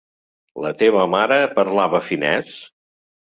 La teva mare parlava finès?